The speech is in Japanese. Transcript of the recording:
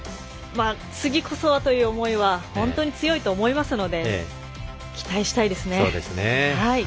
次こそはという思いは本当に強いと思いますので期待したいですね。